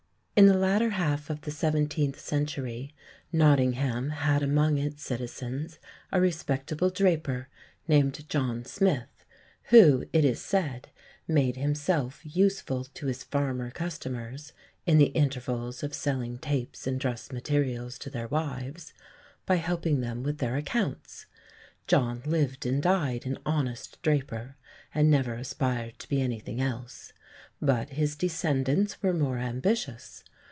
In the latter half of the seventeenth century Nottingham had among its citizens a respectable draper named John Smith, who, it is said, made himself useful to his farmer customers, in the intervals of selling tapes and dress materials to their wives, by helping them with their accounts. John lived and died an honest draper, and never aspired to be anything else; but his descendants were more ambitious.